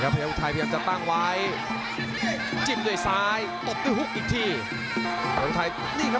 เปิ๊จขอบคุณครับ